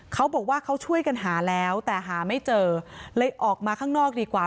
เขาบอกว่าเขาช่วยกันหาแล้วแต่หาไม่เจอเลยออกมาข้างนอกดีกว่า